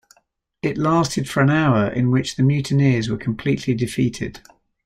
It lasted for an hour in which the mutineers were completely defeated.